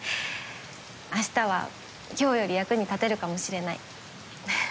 明日は今日より役に立てるかもしれないははっ